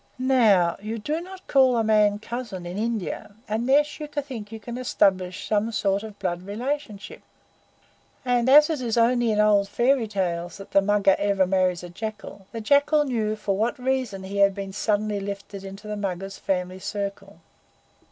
Now you do not call a man a cousin in India unless you think you can establish some kind of blood relationship, and as it is only in old fairy tales that the Mugger ever marries a jackal, the Jackal knew for what reason he had been suddenly lifted into the Mugger's family circle.